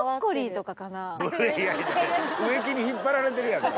植木に引っ張られてるやんか。